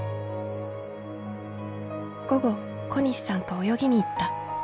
「午後小西さんと泳ぎに行った。